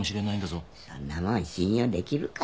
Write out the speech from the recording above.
そんなもん信用できるか。